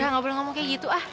gak boleh ngomong kayak gitu ah